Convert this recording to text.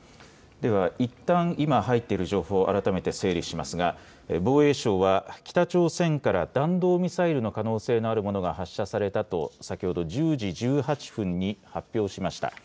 いったん今入った情報を改めて整理しますが防衛省は北朝鮮から弾道ミサイルの可能性のあるものが発射されたと先ほど１０時１８分に発表しました。